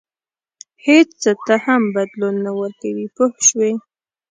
هېڅ څه ته هم بدلون نه ورکوي پوه شوې!.